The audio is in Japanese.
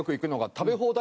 食べ放題？